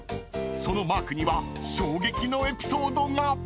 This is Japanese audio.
［そのマークには衝撃のエピソードが！］